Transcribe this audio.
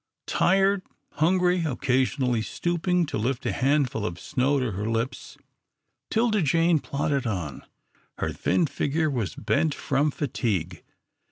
Tired, hungry, occasionally stooping to lift a handful of snow to her lips, 'Tilda Jane plodded on. Her thin figure was bent from fatigue.